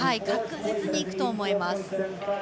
確実にいくと思います。